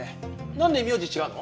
なんで名字違うの？